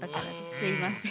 すいません。